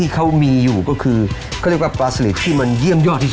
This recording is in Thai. ก็คือ